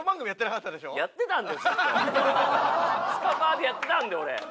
スカパー！でやってたんで俺。